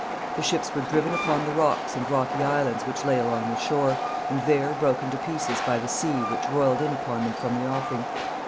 The ships were driven upon the rocks and rocky islands which lay along the shore, and there broken to pieces by the sea which rolled in upon them from the offing.